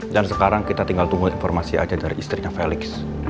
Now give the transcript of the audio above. dan sekarang kita tinggal tunggu informasi aja dari istrinya felix